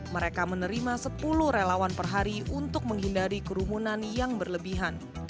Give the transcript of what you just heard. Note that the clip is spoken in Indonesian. mereka menerima sepuluh relawan per hari untuk menghindari kerumunan yang berlebihan